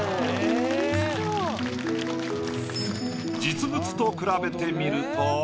実物と比べてみると。